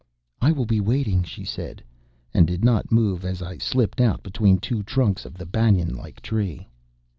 "I will be waiting," she said, and did not move as I slipped out between two trunks of the banyan like tree.